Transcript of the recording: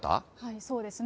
そうですね。